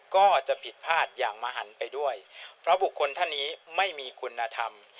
ก็จะผิดพลาดอย่างมหันไปด้วยเพราะบุคคลท่านนี้ไม่มีคุณธรรม